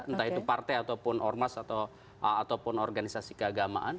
entah itu partai ataupun ormas ataupun organisasi keagamaan